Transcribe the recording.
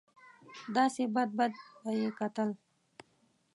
داسې بد بد به یې کتل.